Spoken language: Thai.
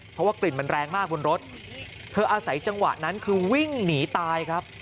เพราะว่ากลิ่นมันแรงมากบนรถเธออาศัยจังหวะนั้นคือวิ่งหนีตายครับ